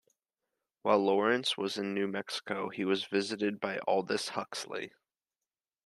While Lawrence was in New Mexico, he was visited by Aldous Huxley.